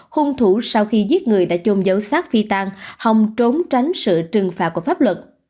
hung thủ sau khi giết người đã chôn giấu sát phi tan hòng trốn tránh sự trừng phạt của pháp luật